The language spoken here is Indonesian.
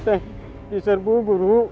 saya diserbu guru